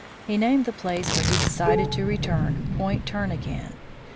He named the place where he decided to return Point Turnagain.